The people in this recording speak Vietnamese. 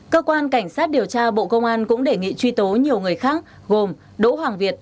cơ quan cảnh sát điều tra bộ công an cũng đề nghị truy tố nhiều người khác gồm đỗ hoàng việt